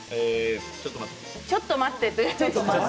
ちょっと待って。